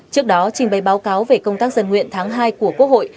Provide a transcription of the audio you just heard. trước đó trình bày báo cáo về công tác dân nguyện tháng hai của quốc hội